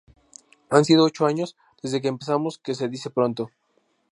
Han sido ocho años desde que empezamos, que se dice pronto.